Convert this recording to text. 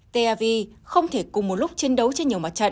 tav không thể cùng một lúc chiến đấu trên nhiều mặt trận